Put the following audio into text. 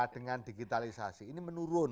dengan digitalisasi ini menurun